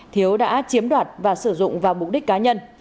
thiếu đã chiếm đoạt và sử dụng vào mục đích cá nhân